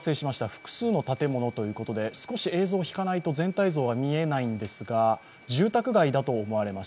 複数の建物ということで、少し映像を引かないと全体像が見えないんですが、住宅街だと思われます。